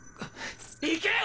行けよ！！